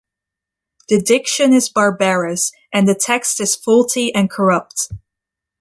The diction is barbarous, and the text is faulty and corrupt.